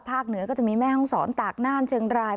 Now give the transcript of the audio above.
เหนือก็จะมีแม่ห้องศรตากน่านเชียงราย